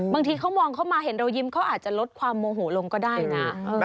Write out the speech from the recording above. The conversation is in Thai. บางทีเขามองเข้ามาเห็นเรายิ้มเขาอาจจะลดความโมโหลงก็ได้นะ